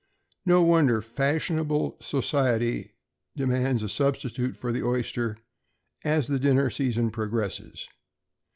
No wonder fashionable society demands a substitute for the oyster as the dinner season progresses.